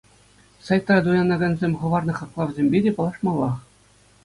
Сайтра туянакансем хӑварнӑ хаклавсемпе те паллашмаллах.